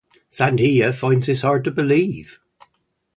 Sandhya finds this hard to believe.